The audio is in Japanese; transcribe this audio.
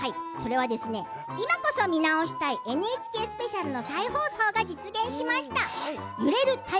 今こそ見直したいＮＨＫスペシャルの再放送が実現しました。